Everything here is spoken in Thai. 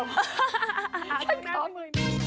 ฉันขอหมื่น